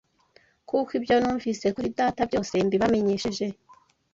Kuko ibyo numvise kuri Data byose mbibamenyesheje